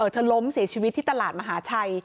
เธอล้มเสียชีวิตที่ตลาดมหาชัย